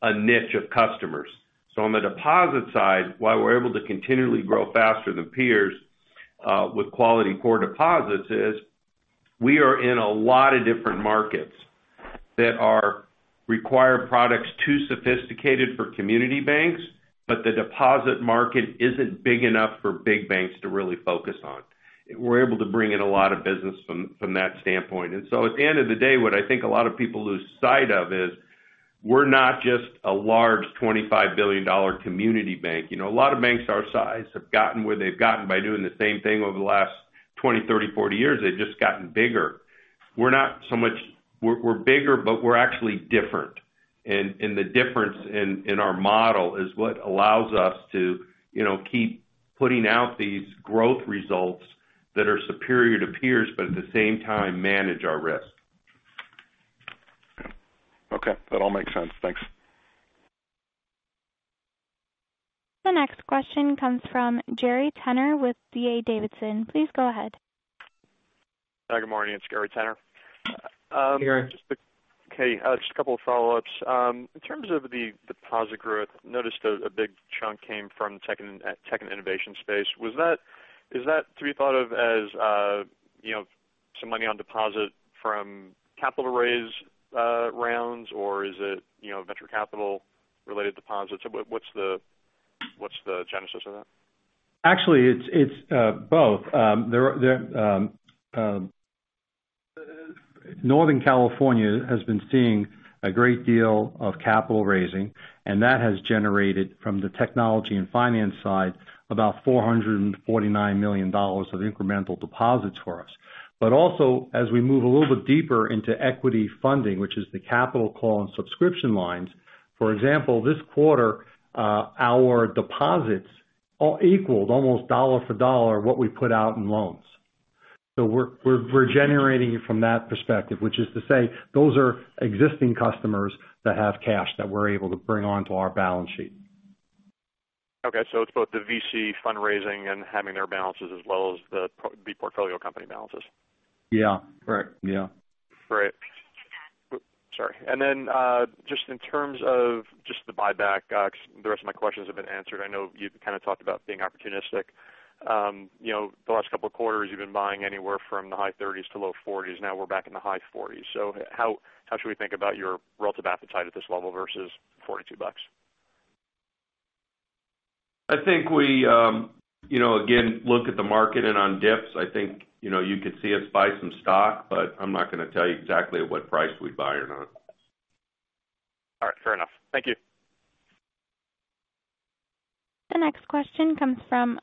a niche of customers. On the deposit side, why we're able to continually grow faster than peers with quality core deposits is we are in a lot of different markets. That are required products too sophisticated for community banks, but the deposit market isn't big enough for big banks to really focus on. We're able to bring in a lot of business from that standpoint. At the end of the day, what I think a lot of people lose sight of is we're not just a large $25 billion community bank. A lot of banks our size have gotten where they've gotten by doing the same thing over the last 20, 30, 40 years. They've just gotten bigger. We're bigger, but we're actually different. The difference in our model is what allows us to keep putting out these growth results that are superior to peers, but at the same time, manage our risk. Okay. That all makes sense. Thanks. The next question comes from Gary Tenner with D.A. Davidson. Please go ahead. Good morning. It's Gary Tenner. Hey, Gary. Okay, just a couple of follow-ups. In terms of the deposit growth, noticed a big chunk came from tech and innovation space. Is that to be thought of as some money on deposit from capital raise rounds, or is it venture capital related deposits? What's the genesis of that? Actually, it's both. That has generated from the technology and finance side, about $449 million of incremental deposits for us. Also, as we move a little bit deeper into equity funding, which is the capital call and subscription lines. For example, this quarter, our deposits equaled almost dollar for dollar what we put out in loans. We're generating it from that perspective, which is to say those are existing customers that have cash that we're able to bring onto our balance sheet. Okay. It's both the VC fundraising and having their balances as well as the portfolio company balances. Yeah. Correct. Great. Sorry. Just in terms of just the buyback, because the rest of my questions have been answered. I know you've kind of talked about being opportunistic. The last couple of quarters, you've been buying anywhere from the high-$30s to low-$40s. Now we're back in the high-$40s. How should we think about your relative appetite at this level versus $42? I think we again, look at the market and on dips, I think you could see us buy some stock, but I'm not going to tell you exactly at what price we'd buy or not. All right. Fair enough. Thank you. The next question comes from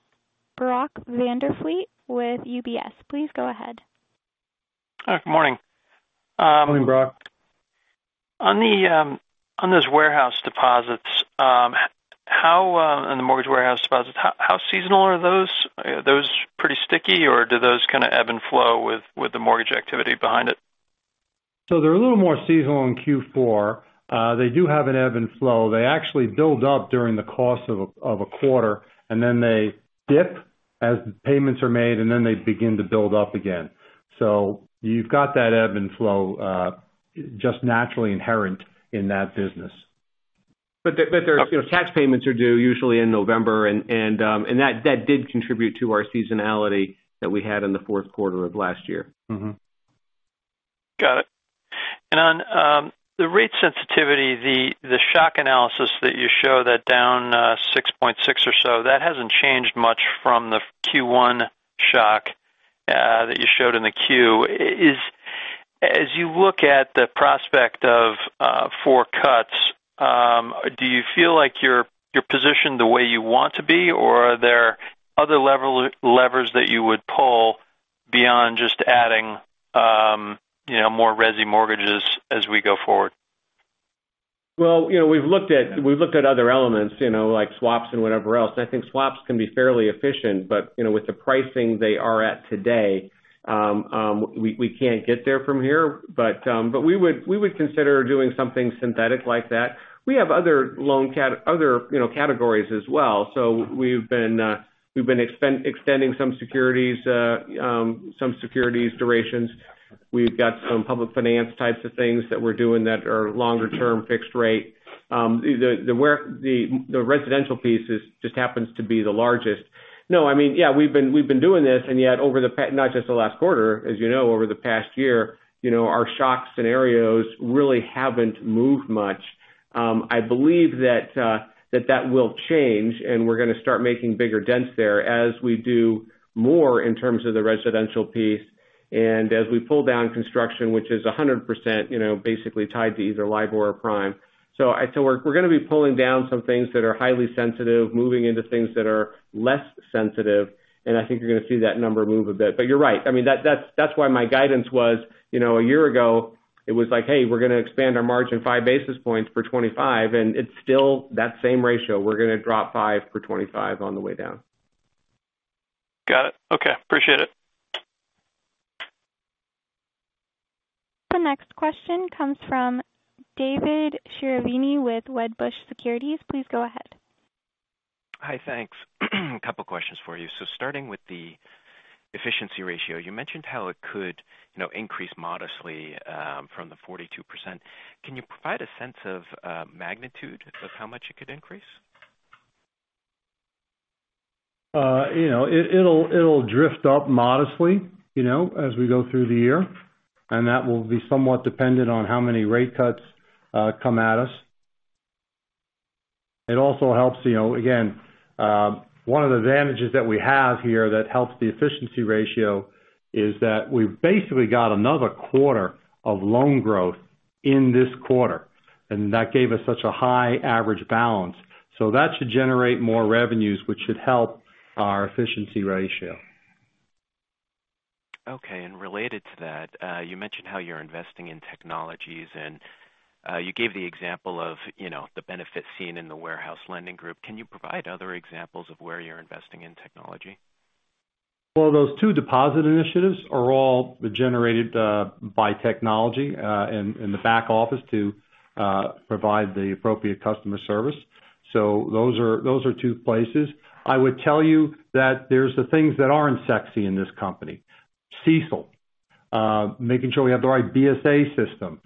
Brock Vandervliet with UBS. Please go ahead. Hi. Good morning. Good morning, Brock. On those warehouse deposits and the mortgage warehouse deposits, how seasonal are those? Are those pretty sticky, or do those kind of ebb and flow with the mortgage activity behind it? They're a little more seasonal in Q4. They do have an ebb and flow. They actually build up during the course of a quarter, and then they dip as payments are made, and then they begin to build up again. You've got that ebb and flow just naturally inherent in that business. Tax payments are due usually in November, and that did contribute to our seasonality that we had in the fourth quarter of last year. On the rate sensitivity, the shock analysis that you show that down 6.6 or so, that hasn't changed much from the Q1 shock that you showed in the Q. As you look at the prospect of four cuts, do you feel like you're positioned the way you want to be, or are there other levers that you would pull beyond just adding more resi mortgages as we go forward? We've looked at other elements, like swaps and whatever else. I think swaps can be fairly efficient, but with the pricing they are at today, we can't get there from here. We would consider doing something synthetic like that. We have other loan categories as well. We've been extending some securities durations. We've got some public finance types of things that we're doing that are longer-term fixed rate. The residential piece just happens to be the largest. We've been doing this, and yet, not just the last quarter, as you know, over the past year, our shock scenarios really haven't moved much. I believe that that will change, and we're going to start making bigger dents there as we do more in terms of the residential piece and as we pull down construction, which is 100% basically tied to either LIBOR or Prime. We're going to be pulling down some things that are highly sensitive, moving into things that are less sensitive, and I think you're going to see that number move a bit. You're right. That's why my guidance was a year ago, it was like, "Hey, we're going to expand our margin five basis points for 25," and it's still that same ratio. We're going to drop five for 25 on the way down. Got it. Okay. Appreciate it. The next question comes from David Chiaverini with Wedbush Securities. Please go ahead. Hi. Thanks. A couple of questions for you. Starting with the efficiency ratio, you mentioned how it could increase modestly from the 42%. Can you provide a sense of magnitude of how much it could increase? It'll drift up modestly as we go through the year, and that will be somewhat dependent on how many rate cuts come at us. Again, one of the advantages that we have here that helps the efficiency ratio is that we've basically got another quarter of loan growth in this quarter, and that gave us such a high average balance. That should generate more revenues, which should help our efficiency ratio. Okay. Related to that, you mentioned how you're investing in technologies, and you gave the example of the benefit seen in the warehouse lending group. Can you provide other examples of where you're investing in technology? Those two deposit initiatives are all generated by technology in the back office to provide the appropriate customer service. Those are two places. I would tell you that there's the things that aren't sexy in this company. CECL, making sure we have the right BSA system.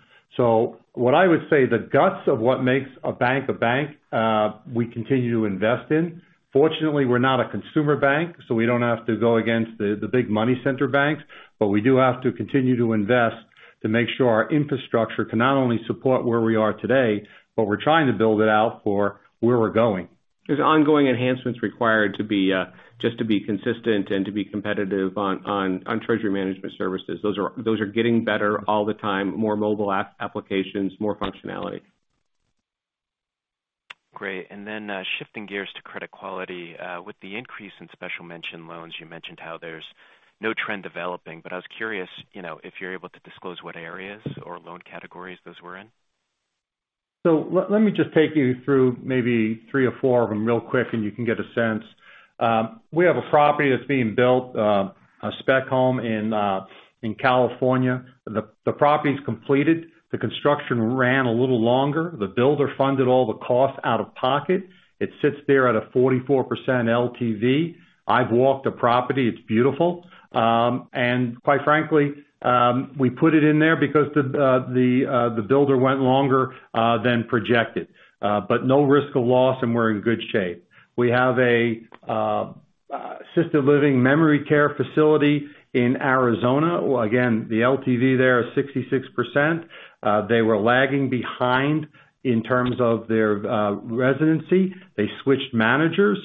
What I would say, the guts of what makes a bank a bank, we continue to invest in. Fortunately, we're not a consumer bank, so we don't have to go against the big money center banks. We do have to continue to invest to make sure our infrastructure can not only support where we are today, but we're trying to build it out for where we're going. There's ongoing enhancements required just to be consistent and to be competitive on treasury management services. Those are getting better all the time. More mobile applications, more functionality. Great. Then shifting gears to credit quality. With the increase in special mention loans, you mentioned how there's no trend developing. I was curious if you're able to disclose what areas or loan categories those were in? Let me just take you through maybe three or four of them real quick, and you can get a sense. We have a property that's being built, a spec home in California. The property's completed. The construction ran a little longer. The builder funded all the costs out of pocket. It sits there at a 44% LTV. I've walked the property. It's beautiful. Quite frankly, we put it in there because the builder went longer than projected. No risk of loss, and we're in good shape. We have a assisted living memory care facility in Arizona. Again, the LTV there is 66%. They were lagging behind in terms of their residency. They switched managers.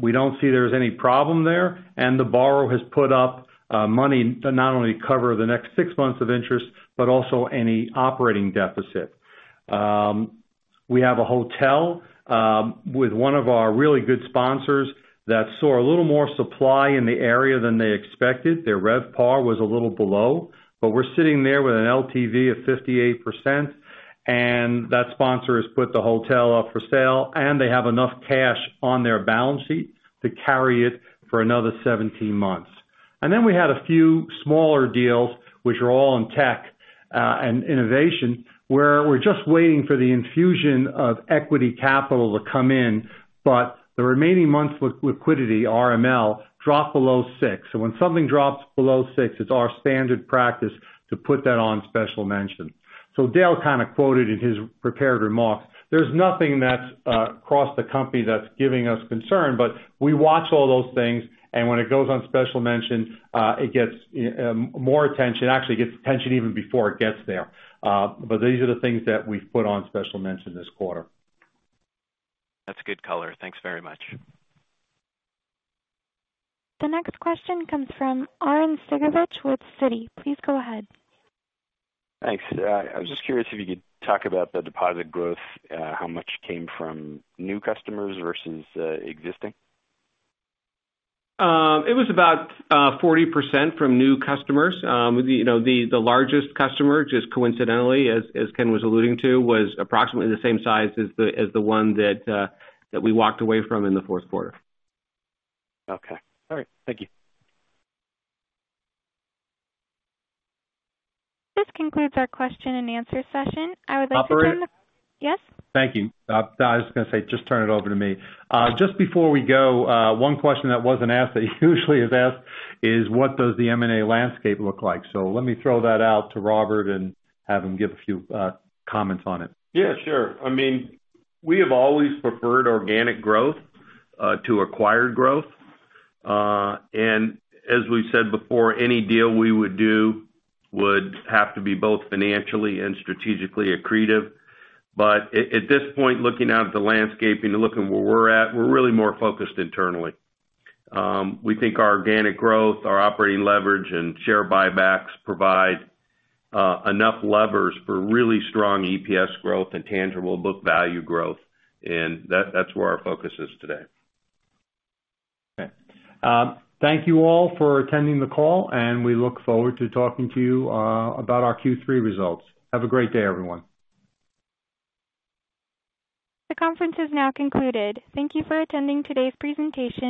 We don't see there's any problem there. The borrower has put up money to not only cover the next six months of interest, but also any operating deficit. We have a hotel with one of our really good sponsors that saw a little more supply in the area than they expected. Their RevPAR was a little below. We're sitting there with an LTV of 58%, and that sponsor has put the hotel up for sale, and they have enough cash on their balance sheet to carry it for another 17 months. Then we had a few smaller deals, which were all in tech and innovation, where we're just waiting for the infusion of equity capital to come in. The remaining months' liquidity, RML, dropped below six. When something drops below six, it's our standard practice to put that on special mention. Dale kind of quoted in his prepared remarks. There's nothing that's across the company that's giving us concern, but we watch all those things, and when it goes on special mention, it gets more attention. Actually, it gets attention even before it gets there. These are the things that we've put on special mention this quarter. That's good color. Thanks very much. The next question comes from Arren Cyganovich with Citi. Please go ahead. Thanks. I was just curious if you could talk about the deposit growth, how much came from new customers versus existing? It was about 40% from new customers. The largest customer, just coincidentally, as Ken was alluding to, was approximately the same size as the one that we walked away from in the fourth quarter. Okay. All right. Thank you. This concludes our question and answer session. I would like to turn the- Operator? Yes. Thank you. I was going to say, just turn it over to me. Just before we go, one question that wasn't asked that usually is asked is, what does the M&A landscape look like? Let me throw that out to Robert and have him give a few comments on it. Yeah, sure. We have always preferred organic growth to acquired growth. As we've said before, any deal we would do would have to be both financially and strategically accretive. At this point, looking out at the landscape and looking where we're at, we're really more focused internally. We think our organic growth, our operating leverage, and share buybacks provide enough levers for really strong EPS growth and tangible book value growth, and that's where our focus is today. Okay. Thank you all for attending the call. We look forward to talking to you about our Q3 results. Have a great day, everyone. The conference is now concluded. Thank you for attending today's presentation.